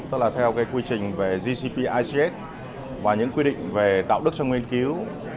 tức là theo cái quy trình về gcp ics và những quy định về đạo đức trong nghiên cứu